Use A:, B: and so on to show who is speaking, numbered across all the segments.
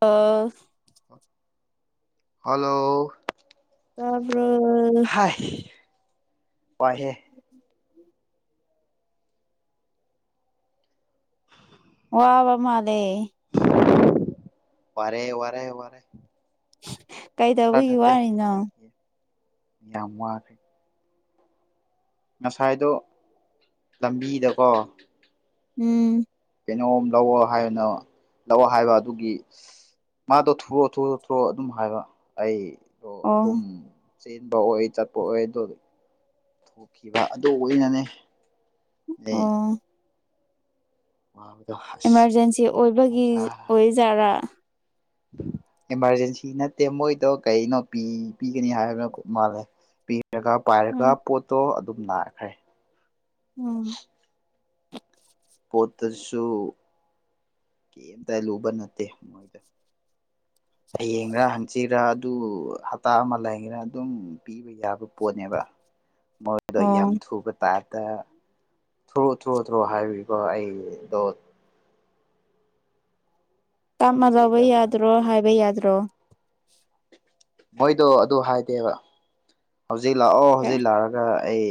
A: ꯑ
B: ꯍꯜꯂꯣ
A: ꯇꯔꯦ
B: ꯍꯥꯏ ꯄꯥꯏꯍꯦ
A: ꯋꯥ ꯋꯥ ꯃꯥꯗꯦ
B: ꯋꯥꯔꯦꯍꯦ ꯋꯥꯔꯦ ꯋꯥꯔꯦ
A: ꯀꯩꯗꯧꯕꯒꯤ ꯋꯥꯅꯣ
B: ꯋꯥꯔ ꯉꯁꯥꯏꯗꯣ ꯂꯝꯕꯤꯗꯀꯣ
A: ꯎꯝ
B: ꯀꯩꯅꯣꯝ ꯂꯧꯋ ꯍꯥꯏꯅ ꯂꯧ ꯍꯥꯏꯕ ꯑꯗꯨꯒꯤ ꯃꯥꯗꯣ ꯊꯣꯔꯛꯑꯣ ꯊꯑꯣ ꯊꯣꯔꯛꯑꯣ ꯑꯗꯨꯝ ꯍꯥꯏꯕ ꯑꯩꯗꯣ
A: ꯑꯣ
B: ꯑꯗꯨꯝ ꯆꯦꯟꯕ ꯑꯣꯏ ꯆꯠꯄ ꯑꯣꯏ ꯑꯗꯨ ꯊꯣꯛꯈꯤꯕ ꯑꯗꯨ ꯑꯣꯏꯅꯅꯦ [unintelligible]
A: ꯑꯣ
B: ꯋꯥꯕꯗꯣ ꯑꯁ
A: ꯏꯃꯥꯔꯖꯦꯟꯁꯤ ꯑꯣꯏꯕꯒꯤ ꯑꯣꯏꯖꯥꯔꯥ
B: ꯎ [unintelligible] ꯏꯃꯥꯔꯖꯦꯟꯁꯤ ꯅꯠꯇꯦ ꯃꯣꯏꯗꯣ ꯀꯩꯅꯣꯤ ꯄꯤꯒꯅꯤ ꯍꯥꯏꯕꯅ ꯃꯥꯜꯂꯦ ꯃꯦꯒꯥ ꯄꯥꯏꯔꯒ
A: ꯎꯝ
B: ꯄꯣꯠꯇꯣ ꯑꯗꯨꯝ ꯅꯥꯈ꯭ꯔꯦ
A: ꯎꯝ
B: ꯄꯣꯠꯇꯁꯨꯨ ꯀꯩꯝꯇ ꯂꯨꯕ ꯅꯠꯇꯦ ꯃꯣꯏꯗ ꯍꯌꯦꯡꯒꯔ ꯍꯪꯆꯤꯔꯥ ꯑꯗꯨ ꯍꯞꯇꯥ ꯑꯃ ꯂꯩꯒꯔꯥ ꯑꯗꯨꯝ ꯄꯤꯕ ꯌꯥꯕ ꯄꯣꯠꯅꯦꯕ ꯃꯣꯏꯗꯣ ꯌꯥꯝ
A: ꯑꯣ
B: ꯊꯨꯕ ꯇꯥꯔ ꯗ ꯊꯣꯔꯣꯛ ꯊ꯭ꯔꯣ ꯊ꯭ꯔꯣ ꯍꯥꯏꯕꯤꯕ ꯑꯩꯗꯣ
A: ꯇꯥꯃ ꯂꯧꯕ ꯌꯥꯗ꯭ꯔꯣ
B: ꯆꯦꯜꯂꯕꯅꯦꯕ
A: ꯍꯥꯏꯕ ꯌꯥꯗ꯭ꯔꯣ
B: ꯃꯣꯏꯗꯣ ꯑꯗꯨ ꯍꯥꯏꯗꯦꯕ ꯍꯧꯖꯤꯛ ꯂꯥꯛꯑꯣ ꯍꯧꯖꯤꯛ ꯂꯥꯛꯑꯒ ꯑꯩ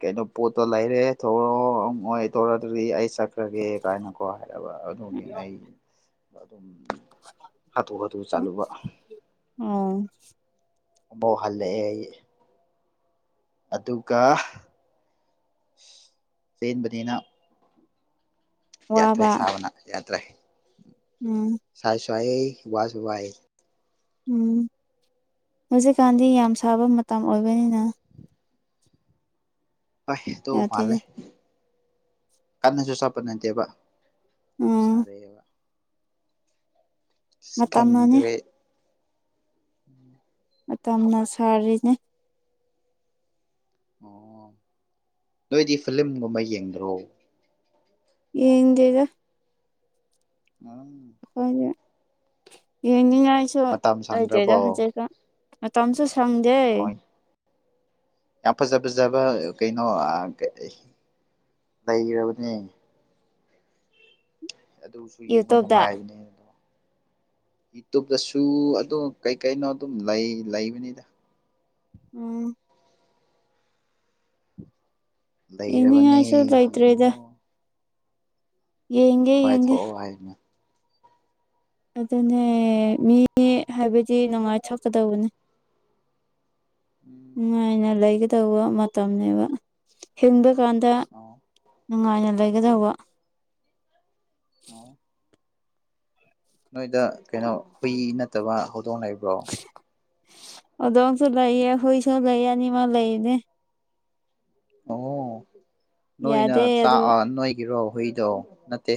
B: ꯀꯩꯅꯣ ꯄꯣꯠꯇꯣ ꯂꯩꯔꯦ ꯊꯧꯔꯛꯣꯏ ꯊꯧꯔꯛꯑ ꯑꯗꯨꯗꯤ ꯑꯩ ꯆꯠꯈ꯭ꯔꯒꯦ ꯀꯥꯏꯅꯀꯣ ꯍꯥꯏꯔꯕ ꯑꯗꯨꯒꯤ ꯑꯩ ꯑꯗꯨꯝ ꯍꯥꯊꯨ ꯍꯥꯊꯨ ꯆꯠꯂꯨꯕ
A: ꯎꯝ
B: ꯑꯕꯧ ꯍꯜꯂꯛꯑꯦ ꯑꯩ ꯑꯗꯨꯒ ꯆꯦꯟꯕꯅꯤꯅ ꯌꯥꯇꯦ
A: ꯋꯥꯕ
B: ꯁꯕꯅ ꯌꯥꯇ
A: ꯎꯝ
B: ꯁꯏ ꯋꯥꯁ ꯋꯥꯏ
A: ꯎꯝ ꯍꯧꯖꯤꯛꯀꯥꯟꯗꯤ ꯌꯥꯝ ꯁꯥꯕ ꯃꯇꯝ ꯑꯣꯏꯕꯅꯤꯅ
B: ꯐ ꯇ ꯃꯥꯜꯂꯦ
A: ꯌꯥꯗꯦꯅꯦ
B: ꯀꯟꯅꯁꯨ ꯆꯠꯄ ꯅꯠꯇꯦꯕ ꯑꯗꯨ
A: ꯎꯝ
B: ꯁꯔꯦꯕ
A: ꯃꯇꯝꯅꯅꯦ
B: ꯈꯟꯗ꯭ꯔꯦ
A: ꯃꯇꯝꯅ ꯁꯥꯔꯤꯅꯦ
B: ꯑꯣ ꯅꯣꯏꯗꯤ ꯐꯤꯂꯝꯂꯝꯒꯨꯝꯕ ꯌꯦꯡꯗ꯭ꯔꯣ
A: ꯌꯦꯡꯦꯒ
B: ꯑ
A: ꯑꯩꯈꯣꯏ ꯌꯦꯅꯤꯡ ꯁꯨ
B: ꯃꯇꯝ ꯁꯪꯗ꯭ꯔꯕꯣ
A: ꯂꯩꯗꯦꯗ ꯍꯧꯖꯤꯛꯀ ꯃꯇꯝꯝꯁꯨ ꯁꯪꯗꯦ
B: ꯍꯣꯏ ꯌꯥꯝ ꯐꯖ ꯐꯖꯕ ꯀꯩꯅꯣ ꯂꯩꯔꯕꯅꯦ ꯑꯗꯨꯁꯨ ꯌꯦꯡꯕ
A: ꯌꯨꯇꯨꯕꯇ
B: ꯅꯨꯡꯉꯥꯏꯕꯅꯦ ꯑꯗꯣ ꯌꯨꯇꯕꯇꯁꯨ ꯑꯗꯨꯝ ꯀꯩꯀꯩꯅꯣ ꯑꯗꯨꯝ ꯂꯩꯕꯅꯤꯗ
A: ꯎꯝ
B: ꯂꯩꯔꯕꯅꯦ
A: ꯌꯦꯡꯅꯤꯡꯉꯥꯏꯁꯨ
B: ꯌꯦꯡꯉꯣ
A: ꯌꯦꯒꯦ ꯌꯦꯒꯦ
B: ꯅꯨꯡꯉꯥꯏꯊꯣꯛꯑꯣ ꯍꯥꯏꯅ
A: ꯑꯗꯨꯅꯦ ꯃꯤ ꯍꯥꯏꯕꯗꯤ ꯅꯨꯡꯉꯥꯏꯊꯣꯛꯀꯗꯧꯕꯅꯦ
B: ꯎꯝ
A: ꯅꯨꯡꯉꯥꯏꯅ ꯂꯩꯒꯗꯧꯕ ꯃꯇꯝꯅꯤꯅꯦꯕ ꯍꯤꯡꯕ ꯀꯥꯟꯗ
B: ꯑꯣ
A: ꯅꯨꯡꯉꯥꯏꯅ ꯂꯩꯒꯗꯧꯕ
B: ꯑ ꯅꯣꯏꯗ ꯀꯩꯅꯣ ꯍꯨꯏ ꯅꯠꯇꯕ ꯍꯧꯗꯣꯡ ꯂꯩꯕ꯭ꯔꯣ
A: ꯑꯗꯣꯝꯁꯨ ꯂꯩꯌꯦ ꯍꯨꯏꯁꯨ ꯂꯩ ꯑꯅꯤꯃ ꯂꯩꯅꯦ
B: ꯑꯣ ꯅꯣꯏꯅ
A: ꯌꯥꯗꯦ
B: ꯆꯥꯛ
A: ꯑꯗꯨ
B: ꯅꯣꯏꯒꯤꯔꯣ ꯍꯨꯏꯗꯣ ꯅꯠꯇꯦ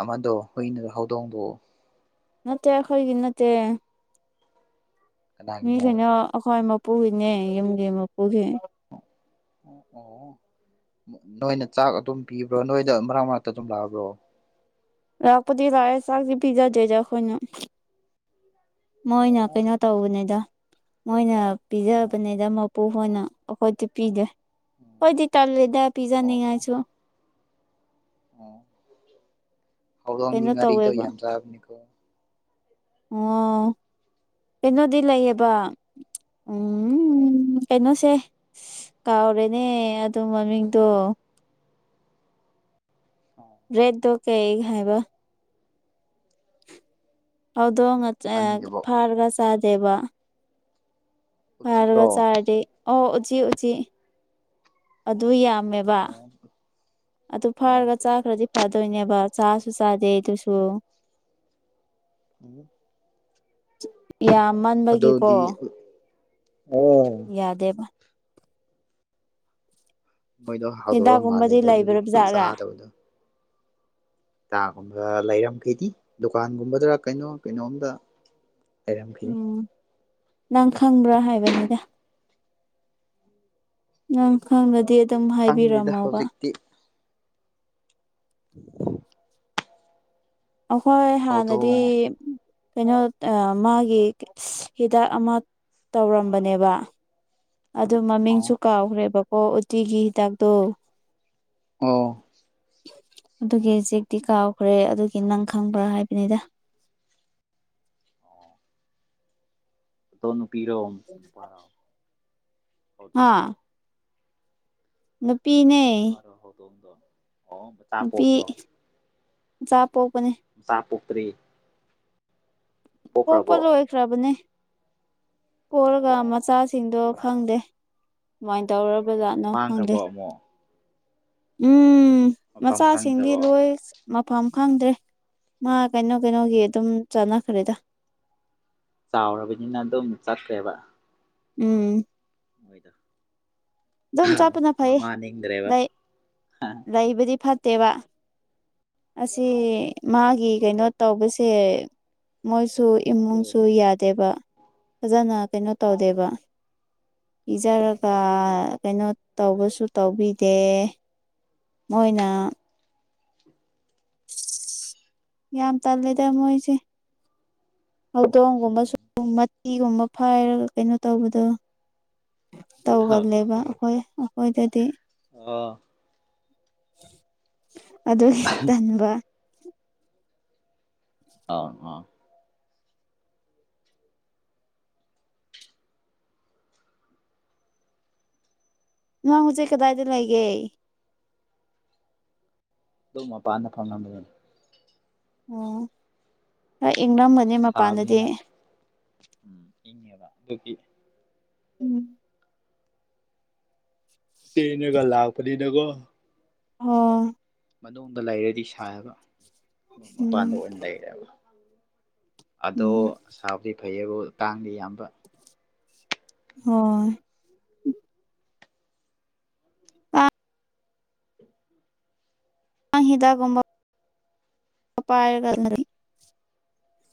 B: ꯑꯃꯗꯣ ꯍꯨꯏꯅ ꯍꯧꯗꯣꯡꯗ
A: ꯅꯠꯇꯦꯈꯣꯏꯒꯤ ꯅꯠꯇꯦ ꯃꯤ
B: ꯀꯅꯥꯒꯤꯅꯣ
A: ꯀꯩꯅꯣ ꯑꯩꯈꯣꯏ ꯃꯄꯨꯒꯤꯅꯦ ꯌꯨꯝꯒꯤ ꯃꯄꯨꯈꯤ
B: ꯑꯣ ꯅꯣꯏꯅ ꯆꯥꯛ ꯑꯗꯨꯝ ꯄꯤꯕ꯭ꯔꯣ ꯅꯣꯏꯗ ꯃꯔꯛ ꯃꯔꯅꯥꯛꯇ ꯑꯗꯨꯝ ꯂꯥꯛꯑꯕ꯭ꯔꯣ
A: ꯂꯥꯛꯄꯗꯤ ꯂꯥꯛꯑꯦ ꯆꯥꯛꯗꯤ ꯄꯤꯖꯥ ꯦꯖ ꯑꯩꯈꯣꯏꯅ ꯃꯣꯏꯅ
B: ꯑꯣ
A: ꯀꯩꯅꯣ ꯇꯧꯕꯅꯤꯗ ꯃꯣꯏꯅ
B: ꯑꯣ ꯑꯣ
A: ꯄꯤꯖꯕꯅꯤꯗ ꯃꯄꯨ ꯍꯅ ꯑꯩꯈꯣꯏꯗꯤ ꯄꯤꯗꯦ ꯍꯣꯏꯗꯤ ꯇꯜꯦꯗ
B: ꯑꯣ ꯑꯣ
A: ꯄꯤꯖꯅꯤꯡꯉꯥꯏꯁꯨ
B: ꯑꯣ ꯍꯧꯗ
A: ꯀꯩꯅꯣ
B: ꯉꯔꯤꯗ
A: ꯇꯧꯋꯦꯕ
B: ꯌꯥꯝ ꯆꯅꯤꯣ
A: ꯑꯣ ꯀꯩꯅꯣꯗꯤ ꯂꯩꯌꯦꯕ ꯎꯝ ꯀꯩꯅꯣꯁꯦ ꯀꯥꯎꯔꯦꯅꯦ ꯑꯗꯨ ꯃꯃꯤꯡꯗꯣ
B: ꯑꯣ
A: ꯔꯦꯠꯗꯣ ꯀꯩꯩ ꯍꯥꯏꯕ ꯍꯧꯗꯣ
B: ꯈꯪꯗꯦꯕꯣ
A: ꯐꯥꯔꯒ ꯆꯥꯗꯦꯕ ꯐꯔꯒ
B: ꯎꯆꯤꯔꯣ
A: ꯆꯥ ꯑꯣ ꯎꯆꯤ ꯎ ꯎꯆꯤ ꯑꯗꯨ ꯌꯥꯝꯃꯦꯕ
B: ꯑꯣ
A: ꯑꯗꯨ
B: ꯑꯣ
A: ꯐꯥꯔꯒ ꯆꯥꯈ꯭ꯔꯗꯤ ꯐꯗꯣꯏꯅꯦꯕ ꯆꯁꯨ ꯆꯗꯦ ꯇꯁꯨ
B: ꯎꯝ [inaudible]
A: ꯌꯥꯝ ꯃꯟꯕꯒꯤꯀꯣ
B: ꯑꯗꯨꯗꯤ ꯑꯣ
A: ꯌꯥꯗꯦꯕ
B: ꯃꯣꯏꯗꯣ ꯍꯥꯎꯗꯣꯛꯑ
A: ꯍꯤꯗꯥꯛꯀꯨꯝꯕꯗꯤ
B: ꯃꯥꯜꯂꯦꯗ ꯑꯗꯨꯗꯤ
A: ꯂꯩꯕ꯭ꯔꯥ ꯖꯥꯠꯔꯥ
B: ꯆꯥꯗꯕꯗꯣ ꯇꯥꯒꯨꯝꯕ ꯂꯩꯔꯝꯈꯩꯗꯤ ꯗꯨꯀꯥꯟꯒꯨꯝꯕꯗ꯭ꯔ ꯀꯩꯅꯣ ꯀꯩꯅꯣꯝꯗ ꯍꯥꯏꯔꯝꯈꯅꯤ
A: ꯎꯝ ꯅꯪ ꯈꯪꯕ꯭ꯔꯥ ꯍꯥꯏꯕꯅꯤꯗ ꯅꯪ ꯈꯪꯅꯗꯤ ꯑꯗꯨꯝ
B: ꯈꯪꯗꯦꯗ
A: ꯍꯥꯏꯕꯤꯔꯝꯃꯕ
B: ꯍꯧꯖꯤꯛꯇꯤ [inaudible] [unintelligible]
A: ꯑꯩꯈꯣꯏ ꯍꯥꯟꯅꯗꯤ
B: ꯍꯧꯗꯣꯡ
A: ꯀꯩꯅꯣ ꯃꯥꯒꯤ ꯍꯤꯗꯥꯛ ꯑꯃ ꯇꯧꯔꯝꯕꯅꯦꯕ ꯑꯗꯨ
B: ꯑꯣ
A: ꯃꯃꯤꯡꯁꯨ ꯀꯥꯎꯈ꯭ꯔꯦꯕꯀꯣ ꯎꯇꯤꯒꯤ ꯍꯤꯗꯥꯛꯇꯣ
B: ꯑꯣ
A: ꯑꯗꯨꯒꯤ ꯆꯦꯛꯇꯤ ꯀꯥꯎꯈ꯭ꯔꯦ ꯑꯗꯨꯒꯤ ꯅꯪ ꯈꯪꯕ꯭ꯔꯥ ꯍꯥꯏꯕꯅꯤꯗ
B: ꯑꯣ ꯣ ꯅꯨꯄꯤꯔꯣ ꯅꯨꯄꯥꯣ
A: ꯍꯥ ꯅꯨꯄꯤꯅꯦ
B: ꯄꯤꯔ ꯐꯥꯔ ꯇꯣꯗꯣ ꯑꯣ ꯆꯥ ꯄꯣꯄ꯭ꯔꯣ
A: ꯆꯥꯎ ꯄꯣ
B: ꯆꯥ ꯄꯨꯇ꯭ꯔꯤ [inaudible]
A: ꯑꯣꯄꯂꯣ ꯑꯣꯏꯈ꯭ꯔꯥꯕꯅꯤ ꯄꯂꯒ
B: ꯑꯣ
A: ꯃꯆꯥꯁꯤꯡꯗꯣ
B: ꯀꯌꯥ
A: ꯈꯪꯗꯦ ꯑꯗꯨꯃꯥꯏ
B: ꯑꯣ
A: ꯇꯧꯔꯕꯖꯥꯠꯅꯣ ꯈꯪꯗꯦ
B: ꯃꯥꯡꯈ꯭ꯔꯕꯣ ꯑꯃꯨꯛ
A: ꯎꯝ
B: ꯃꯐꯝ
A: ꯃꯆꯥꯁꯤꯡꯗꯤ
B: ꯈꯪꯗ꯭ꯔꯕꯣ
A: ꯂꯣꯏ ꯃꯐꯝ ꯈꯪꯗ꯭ꯔꯦ ꯃꯥ ꯀꯩꯅꯣ ꯀꯩꯅꯣꯒꯤ ꯑꯗꯨꯝ ꯆꯥꯟꯅꯈ꯭ꯔꯦꯗ
B: ꯆꯥꯎꯔꯕꯅꯤꯅ ꯑꯗꯨꯝ ꯆꯠꯈ꯭ꯔꯦꯕ [inaudible]
A: ꯎꯝ
B: ꯑꯣꯏꯣꯏꯗ
A: ꯑꯗꯨꯝ ꯆꯞꯄꯅ ꯐꯩ
B: ꯅꯤꯡꯗ꯭ꯔꯦꯕ
A: ꯂꯩ ꯂꯩꯕꯗꯤ ꯐꯠꯇꯦꯕ ꯑꯁꯤ
B: ꯑ
A: ꯃꯥꯒꯤ ꯀꯩꯅꯣ ꯇꯧꯕꯁꯦ ꯃꯣꯏꯁꯨ ꯁꯨ ꯏꯃꯨꯡꯁꯨ ꯌꯥꯗꯦꯕ ꯐꯖꯅ ꯀꯩꯅꯣ ꯇꯧꯗꯦꯕ ꯏꯖꯔꯒ ꯀꯩꯅꯣ ꯇꯧꯕꯁꯨ ꯇꯧꯕꯤꯗꯦ ꯃꯣꯏꯅ
B: [inaudible] [unintelligible]
A: ꯌꯥꯝ ꯇꯜꯂꯦꯗ ꯃꯣꯏꯁꯦ ꯍꯧꯗꯣꯡꯒꯨꯝꯕ ꯁ ꯃꯇꯤꯒꯨꯝꯕ ꯐꯥꯏꯔꯒ ꯀꯩꯅꯣ ꯇꯧꯕꯗꯣ
B: ꯑꯣ
A: ꯇꯧꯒꯜꯂꯦꯕ ꯑꯩꯈꯣꯏ ꯑꯩꯈꯣꯏꯗꯗꯤ
B: ꯑꯣꯥ
A: ꯑꯗꯨ ꯇꯟꯕ
B: ꯑꯥꯎꯅ
A: ꯅꯪꯁꯦ ꯀꯗꯥꯏꯗ ꯂꯩꯒꯦ
B: ꯑꯗꯨꯝ ꯃꯄꯥꯟꯗ ꯐꯪꯂꯝꯝꯕꯗꯨꯅꯤ
A: ꯎꯝ ꯍꯣꯏ ꯏꯪꯅꯝꯃꯅꯤ ꯃꯄꯥꯟꯗꯗꯤ
B: ꯁꯥꯕꯅꯤꯅ ꯗꯨꯒꯤ
A: ꯎꯝ
B: ꯆꯦꯅꯦꯒ ꯂꯥꯛꯄꯅꯤ ꯅꯒꯣ
A: ꯑꯣ
B: ꯃꯅꯨꯡꯗ ꯂꯩꯔꯗꯤ ꯁꯥꯥꯏꯕ
A: ꯎꯝ
B: ꯃꯄꯥꯟꯗ ꯑꯣꯏꯅ ꯂꯩꯔꯦꯕ ꯑꯗꯣ
A: ꯎꯝ
B: ꯁꯥꯕꯗꯤ ꯐꯩꯌꯦꯕꯨ ꯀꯥꯡꯗꯤ ꯌꯥꯝꯕ
A: ꯍꯣꯏ ꯉꯥꯡ ꯍꯤꯗꯒꯨꯝꯕ ꯄꯥꯏꯔꯒꯥꯟꯗꯤ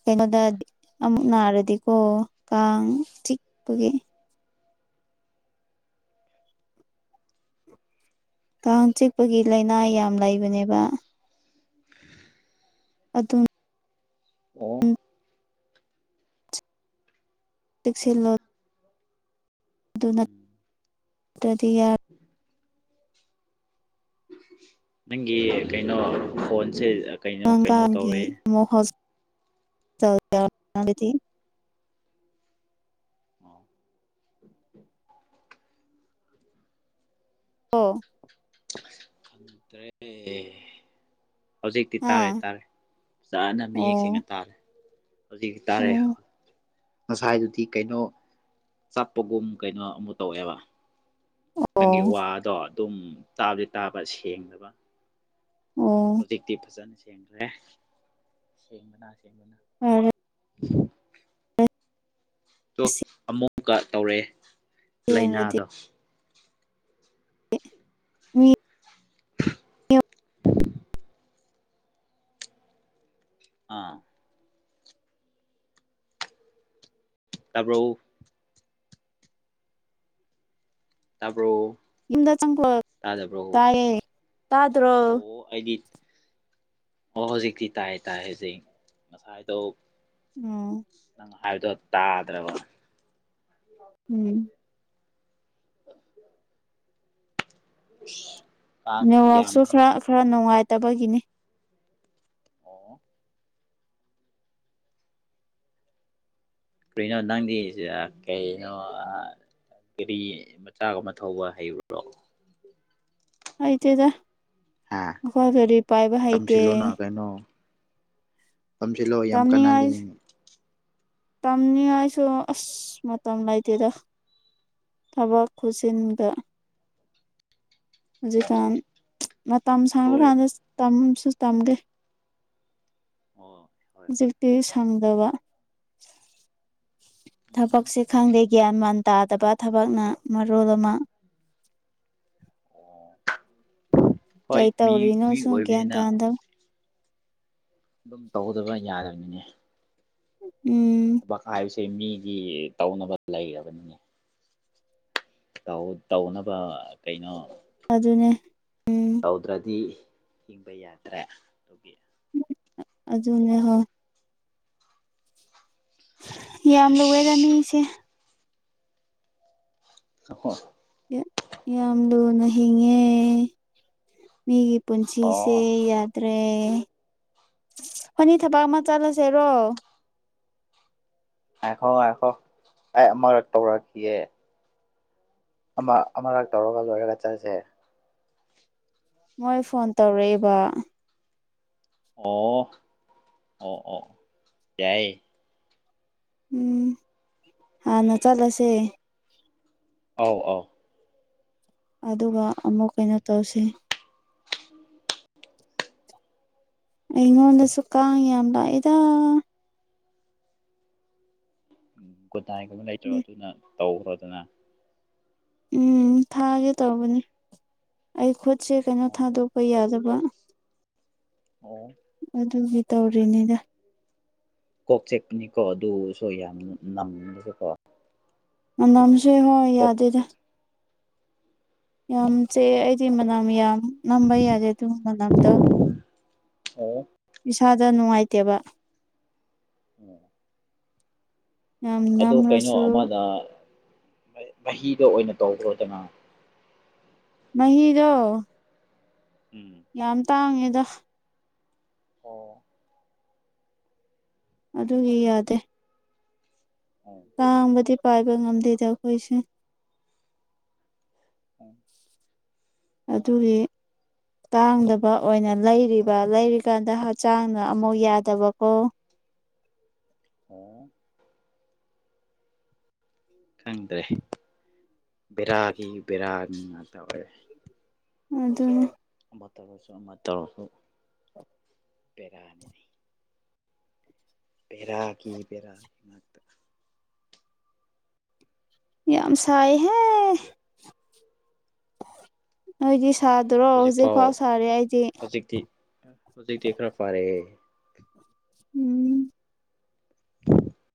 A: ꯀꯩꯏꯅꯣꯗ ꯗꯤꯛ ꯑꯃꯨꯛ
B: ꯎꯝ
A: ꯅꯥꯔꯗꯤꯀꯣ ꯀꯥꯡ ꯆꯤꯛꯄꯒꯤ ꯀꯥꯡ ꯆꯤꯛꯄꯒꯤ ꯂꯥꯏꯅꯥ
B: ꯎꯝ
A: ꯌꯥꯝ ꯂꯩꯕꯅꯦꯕ ꯑꯗꯨꯝ
B: ꯑꯣ
A: ꯇꯦꯛꯁꯤꯟꯂꯣꯠ
B: ꯎꯝ
A: ꯇꯨꯗꯤ ꯌꯥꯞ
B: ꯅꯪꯒꯤ ꯀꯩꯅꯣ ꯐꯣꯟꯁꯦ ꯀꯩꯅꯣ ꯀꯩꯅꯣ ꯇꯧꯔꯦ
A: ꯇꯧ
B: ꯑ [unintelligible]
A: ꯑꯣ
B: ꯈꯪꯗ꯭ꯔꯦ ꯍꯧꯖꯤꯛꯇꯤ
A: ꯍꯥ
B: ꯇꯥꯔꯦ ꯇꯥꯔꯦ ꯆꯥꯅ ꯃꯌꯦꯛ ꯁꯦꯡꯅ
A: ꯑꯣ
B: ꯇꯥꯔꯦ ꯍꯨꯖꯤꯛ ꯇꯥꯔꯦꯌꯣ
A: ꯑꯣ
B: ꯉꯁꯥꯏꯗꯨꯗꯤ ꯀꯩꯅꯣ ꯆꯞꯄꯒꯨꯝ ꯀꯩꯅꯣ ꯑꯃ ꯇꯧꯑꯦꯕ
A: ꯑꯣ
B: ꯅꯪꯒꯤ ꯋꯥꯗꯣ ꯑꯗꯨꯝ ꯇꯥꯕꯗꯤ ꯇꯥꯕ ꯁꯦꯡꯗꯕ
A: ꯑꯣ
B: ꯍꯧꯖꯤꯛꯇꯤ ꯐꯖꯅ ꯁꯦꯡꯈꯔ꯭ꯦ ꯁꯦꯡꯕꯅ ꯁꯦꯡꯕꯅ
A: ꯎꯝ
B: [unintelligible] ꯇꯨ ꯑꯃꯨꯛꯀ ꯇꯧꯔꯑꯦ
A: ꯌꯦꯡꯔꯗꯤ
B: ꯂꯩꯅꯥꯗꯣ
A: ꯃꯤ
B: ꯑꯥ ꯇꯥꯕꯔꯧ ꯇꯥꯕꯔꯣ
A: ꯌꯨꯝꯗ ꯆꯪ ꯀ꯭ꯂꯣ ꯇꯥꯌꯦ
B: ꯑꯣ ꯑꯩꯗꯤꯠ ꯑꯣ ꯍꯧꯖꯤꯛꯇꯤ ꯇꯥꯏ ꯇꯥꯏ ꯍꯧꯖꯤꯛ ꯉꯁꯥꯏꯗꯣ
A: ꯎꯝ
B: ꯅꯪ ꯍꯥꯏꯕꯗꯣ ꯇꯥꯗ꯭ꯔꯕ
A: ꯎꯝ
B: ꯑꯁ ꯌꯥꯝ ꯎꯏꯁ
A: ꯅꯦꯠꯋꯥꯛꯁꯨ ꯈꯔ ꯈꯔ ꯅꯨꯡꯉꯥꯏꯇꯕꯒꯤꯅꯤ
B: ꯑꯣ ꯑꯣ ꯀꯔꯤꯅꯣ ꯅꯪꯗꯤ ꯖ ꯀꯩꯅꯣ ꯑ ꯀꯔꯤ ꯃꯆꯥꯒꯨꯝꯃ ꯊꯧꯕ ꯍꯩꯕ꯭ꯔꯣ
A: ꯍꯩꯇꯦꯗ
B: ꯍꯥ
A: ꯑꯈꯣꯏ ꯒꯔꯤ ꯄꯥꯏꯕ ꯍꯩꯇꯦ
B: ꯇꯝꯁꯤꯜꯂꯣꯅ ꯄꯝꯁꯤꯜꯂꯣ ꯌꯥꯝ ꯀꯟꯅꯗꯤ
A: ꯇꯝꯅꯤꯉꯥꯏꯁꯨ ꯑꯁ ꯃꯇꯝ ꯂꯩꯇꯦꯗ ꯊꯕꯛ ꯈꯨꯁꯤꯟꯗ ꯍꯧꯖꯤꯛꯀꯥꯟ ꯃꯇꯝ ꯁꯥꯡꯕ
B: ꯍꯣꯏ
A: ꯀꯥꯟꯗ ꯇꯝꯃꯁꯨ ꯇꯝꯒꯦ
B: ꯑꯣ ꯍꯣꯏ ꯍꯣꯏ
A: ꯖꯤꯛꯇꯤ ꯁꯪꯗꯕ
B: ꯎꯝ
A: ꯊꯄꯛꯁꯦ ꯈꯪꯗꯦ ꯒ꯭ꯌꯥꯟ ꯃꯥꯟ ꯇꯥꯗꯕ ꯊꯕꯛꯅ ꯃꯔꯣꯜ ꯑꯃ
B: ꯑꯣ ꯍꯣꯏ
A: ꯄꯩ
B: ꯃꯤ
A: ꯇꯧꯔꯤꯅꯣ
B: ꯃꯤ
A: ꯁꯨ ꯒꯌꯥꯟ
B: ꯑꯣꯏꯕꯅꯤꯅ
A: ꯇꯗ
B: ꯑꯗꯨꯝ ꯇꯧꯗꯕ ꯌꯥꯗꯕꯅꯦ
A: ꯎꯝ
B: ꯊꯕꯛ ꯍꯥꯏꯕꯁꯦ ꯃꯤꯒꯤ ꯇꯧꯅꯕ ꯂꯩꯔꯕꯅꯦ ꯇꯧꯅꯕ ꯀꯩꯅꯣ
A: ꯑꯗꯨꯅꯦ ꯎꯝ
B: ꯇꯧꯗ꯭ꯔꯗꯤ ꯍꯤꯡꯕ ꯌꯥꯗ꯭ꯔꯦ ꯑꯗꯨꯒꯤ
A: ꯑꯖꯅ [unintelligible] ꯍꯣ ꯌꯥꯂꯨꯑꯗ ꯃꯤꯁꯦ
B: ꯍꯣ
A: ꯌꯥꯝ ꯂꯨꯅ ꯍꯤꯡꯉꯦ ꯃꯤꯒꯤ ꯄꯨꯟꯁꯤꯁꯦ
B: ꯑꯣ
A: ꯌꯥꯗ꯭ꯔꯦ ꯑꯦ ꯐꯅꯤ ꯊꯕꯛ ꯑꯃ ꯆꯠꯂꯁꯦꯔꯣ
B: ꯍꯥꯏꯈꯣ ꯍꯥꯏꯈꯣ ꯑꯩ ꯑꯃꯨꯔꯛ ꯇꯧꯔꯛꯈꯤꯑꯦ ꯑꯃ ꯑꯃꯔꯛ ꯇꯧꯔꯒ ꯂꯣꯏꯔꯒ ꯆꯠꯁꯦ
A: ꯃꯣꯏ ꯐꯣꯟ ꯇꯧꯔꯛꯏꯕ
B: ꯑꯣ ꯑꯣ ꯑꯣ ꯌꯥꯏ
A: ꯎꯝ ꯍꯥꯟꯅ ꯆꯠꯂꯁꯦ
B: ꯑꯥꯎ ꯑꯥꯎ
A: ꯑꯗꯨꯒ ꯑꯃꯨꯛ ꯀꯩꯅꯣ ꯇꯧꯁꯤ ꯑꯩꯉꯣꯟꯗ ꯁꯨ ꯀꯥꯡ ꯌꯥꯝ ꯂꯑꯗꯥ
B: ꯎ ꯒꯨꯗꯥꯏꯒꯨꯝꯕ [inaudible] ꯂꯩꯇ꯭ꯔꯣ ꯑꯗꯨꯅ ꯇꯧꯈ꯭ꯔꯣꯗꯅ
A: ꯎꯝ ꯊꯥꯒꯦ ꯇꯧꯕꯅꯤ ꯑꯩ ꯈꯨꯠꯁꯦ ꯀꯩꯅꯣ
B: ꯑꯣ
A: ꯊꯥꯗꯣꯛꯄ ꯌꯥꯗꯕ ꯋꯥ
B: ꯑꯣ
A: ꯑꯗꯨꯒꯤ ꯇꯧꯔꯤꯅꯤꯗ
B: ꯀꯣꯛꯆꯦꯛꯅꯤꯀꯣ ꯑꯗꯨꯁꯨ ꯌꯥꯝꯅ ꯅꯝꯗꯁꯨꯀꯣ
A: ꯑꯝꯁꯦ ꯍꯣꯏ ꯌꯥꯗꯗ ꯌꯥꯝ ꯆꯦ ꯑꯩꯗꯤ ꯃꯅꯝ ꯌꯥꯝꯌꯥꯝ ꯅꯝꯕꯏ ꯌꯥꯖꯦ ꯇꯨ ꯃ ꯅꯝꯇ
B: ꯑꯣ
A: ꯏꯁꯥꯗ ꯅꯨꯡꯉꯥꯏꯇꯦꯕ
B: ꯎꯝ
A: ꯌꯥꯝ
B: ꯑ ꯀꯩꯅꯣ
A: ꯅꯝꯔꯁꯨ
B: ꯑꯃꯗ ꯃꯍꯤꯗ ꯑꯣꯏꯅ ꯇꯧꯈ꯭ꯔꯗꯅ
A: ꯃꯍꯗꯣ
B: ꯎꯝ
A: ꯌꯥꯝ ꯇꯥꯡꯉꯦꯗ
B: ꯑꯣ
A: ꯑꯗꯨꯒꯤ ꯌꯥꯗꯦ
B: ꯑꯣ
A: ꯇꯥꯡꯕꯗꯤ ꯄꯥꯏꯕ ꯉꯝꯗꯦꯗ ꯑꯩꯈꯣꯏꯁꯦ
B: ꯎꯝ
A: ꯑꯗꯨꯒꯤ ꯇꯥꯡꯗꯕ ꯑꯣꯏꯅ ꯂꯩꯔꯤꯕ ꯂꯩꯔꯤꯀꯥꯟꯗ ꯍꯛꯆꯥꯡꯅ ꯑꯃꯨ ꯌꯥꯗꯕꯀꯣ
B: ꯑꯣ ꯈꯪꯗ꯭ꯔꯦ ꯕꯦꯔꯥꯒꯤ ꯕꯦꯔꯥ ꯉꯥꯛꯇ ꯑꯣꯏꯔꯦ
A: ꯑꯗꯨꯅꯦ
B: ꯑꯃ ꯇꯧꯔꯁꯨ ꯑꯃ ꯇꯧꯔꯁꯨ ꯄꯦꯔꯥꯅꯤꯅꯤ [inaudible] ꯄꯦꯔ ꯀ ꯄꯦꯔ
A: ꯌꯥꯝꯁꯥꯏꯍꯦ ꯅꯣꯏꯗꯤ ꯁꯥꯗ꯭ꯔꯣ ꯍꯧꯖꯤꯛꯐꯥꯎ ꯁꯥꯔꯦ ꯑꯩꯗꯤ
B: ꯍꯧꯖꯤꯛꯇꯤ ꯍꯧꯖꯤꯛꯇꯤ ꯈꯔ ꯐꯔꯦ
A: ꯎꯝ